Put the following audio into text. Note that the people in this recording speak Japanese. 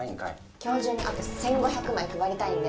今日中にあと１，５００枚配りたいんで。